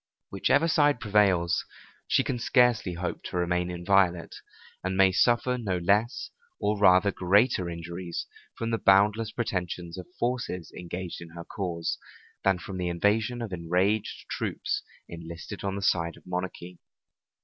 Whichever side prevails, she can scarcely hope to remain inviolate, and may suffer no less, or rather greater injuries from the boundless pretensions of forces engaged in her cause, than from the invasion of enraged troops enlisted on the side of monarchy.